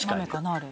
あれ。